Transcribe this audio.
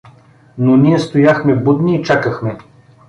Но ние стояхме будни и чакахме.